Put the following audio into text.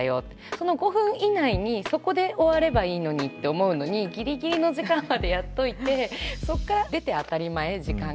その５分以内にそこで終わればいいのにって思うのにぎりぎりの時間までやっといてそこから出て当たり前時間が。